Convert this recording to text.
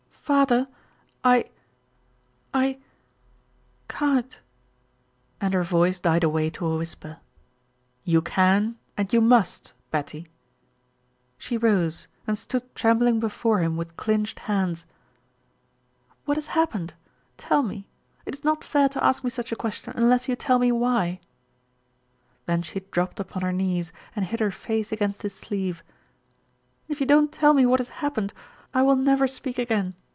"Father! I I can't," and her voice died away to a whisper. "You can and you must, Betty." She rose and stood trembling before him with clinched hands. "What has happened? Tell me. It is not fair to ask me such a question unless you tell me why." Then she dropped upon her knees and hid her face against his sleeve. "If you don't tell me what has happened, I will never speak again.